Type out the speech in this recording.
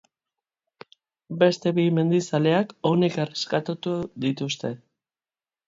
Beste bi mendizaleak onik erreskatatu dituzte.